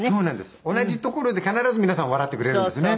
同じところで必ず皆さん笑ってくれるんですよね。